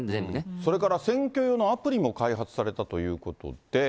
それから選挙用のアプリも開発されたということで。